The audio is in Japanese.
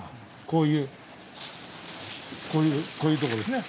こういうこういうとこですね。